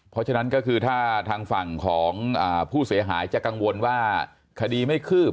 เพราะฉะนั้นก็คือถ้าทางฝั่งของผู้เสียหายจะกังวลว่าคดีไม่คืบ